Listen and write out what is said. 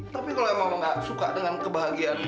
tapi kalau emang lo nggak suka dengan kebahagiaan gue